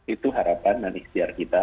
itu harapan dan ikhtiar kita